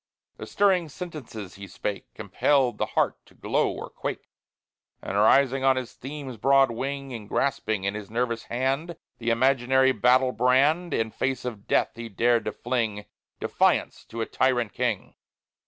The stirring sentences he spake Compell'd the heart to glow or quake, And, rising on his theme's broad wing, And grasping in his nervous hand The imaginary battle brand, In face of death he dared to fling Defiance to a tyrant King.